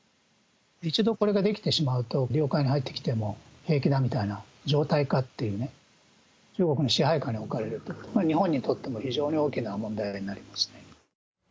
一度これができてしまうと、領海に入ってきても平気だみたいな、常態化っていうね、中国の支配下に置かれると、日本にとっても非常に大きな問題になりますね。